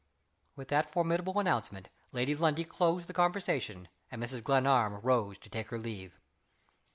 With that formidable announcement, Lady Lundie closed the conversation; and Mrs. Glenarm rose to take her leave.